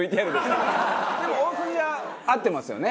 でも大筋は合ってますよね？